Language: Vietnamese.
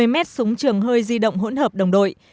một mươi mét súng trường hơi di động hỗn hợp đồng đội